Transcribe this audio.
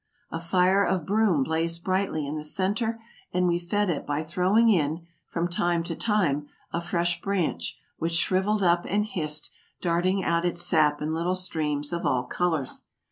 A fire of broom blazed brightly in the center, and we fed it by throwing in, from time to time, a fresh branch which shriveled up and hissed, darting out its sap in little streams of all colors.